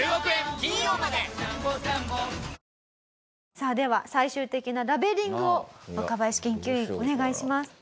さあでは最終的なラベリングを若林研究員お願いします。